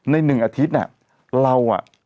ในหนึ่งอาทิตย์เรา